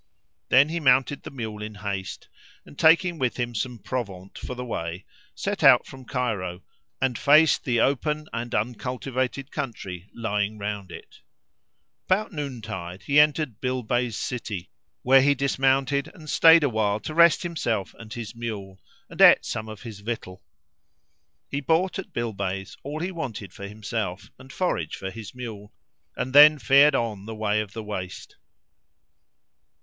Then he mounted the mule in haste; and, taking with him some provaunt for the way, set out from Cairo and faced the open and uncultivated country lying around it. [FN#374] About noontide he entered Bilbays city, [FN#375] where he dismounted and stayed awhile to rest himself and his mule and ate some of his victual. He bought at Bilbays all he wanted for himself and forage for his mule and then fared on the way of the waste.